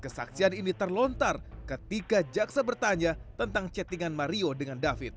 kesaksian ini terlontar ketika jaksa bertanya tentang chattingan mario dengan david